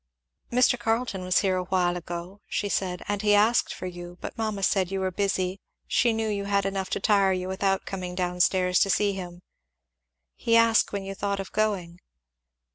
"Mr. Carleton was here awhile ago," she said, "and he asked for you; but mamma said you were busy; she knew you had enough to tire you without coming down stairs to see him. He asked when you thought of going."